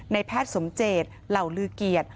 แพทย์สมเจตเหล่าลือเกียรติ